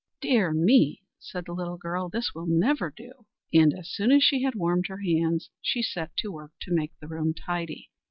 "Dear me!" said the little girl, "this will never do!" And as soon as she had warmed her hands, she set to work to make the room tidy.